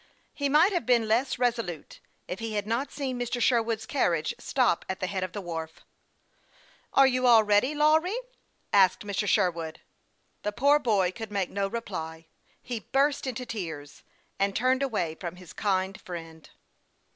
He might have been less resolute, if he had not seen Mr. Sherwood's carriage stop at the head of the wharf. " Are you all ready, Lawry ?" asked Mr. Sherwood. Ths poor boy could make no reply ; he burst into tears, and turned away from his kind friend.